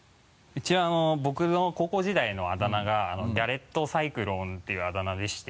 一応僕の高校時代のあだ名がギャレットサイクロンっていうあだ名でして。